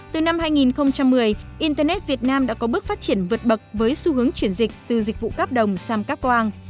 từ năm hai nghìn một mươi internet việt nam đã có bước phát triển vượt bậc với xu hướng chuyển dịch từ dịch vụ cáp đồng sang cáp quang